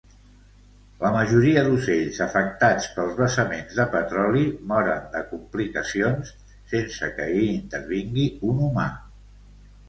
La majoria d'ocells afectats pels vessaments de petroli moren de complicacions sense que hi intervingui un humà.